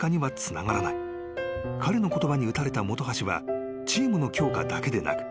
［彼の言葉に打たれた本橋はチームの強化だけでなく